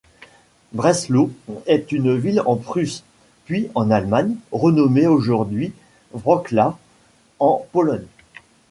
Breslau est une ville en Prusse puis en Allemagne, renommé aujourd'hui Wrocław, en Pologne.